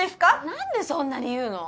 何でそんなに言うの？